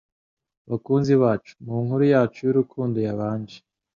Bakunzi bacu, munkuru yacu y'urukundo yabanje